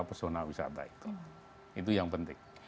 pesona wisata itu itu yang penting